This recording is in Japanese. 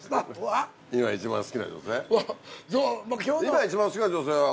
今一番好きな女性は。